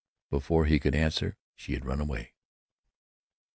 Before he could answer she had run away.